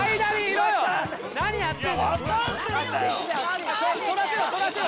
何やってんだよ！